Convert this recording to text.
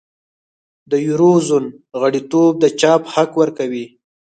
د یورو زون غړیتوب د چاپ حق ورکوي.